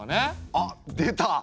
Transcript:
あっ出た！